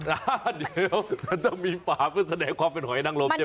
เดี๋ยวมันต้องมีฝาเพื่อแสดงความเป็นหอยนางรมใช่ไหม